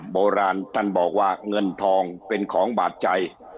โบราณท่านบอกว่าเงินทองเป็นของบาดใจ